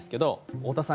太田さん